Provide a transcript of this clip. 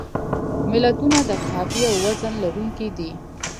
متلونه د قافیې او وزن لرونکي دي